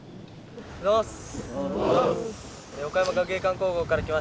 おはようございます。